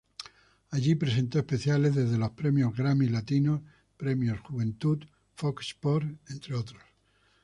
Allí presentó especiales desde los "Premios Grammy Latinos", "Premios Juventud", "Fox Sports", entre otros.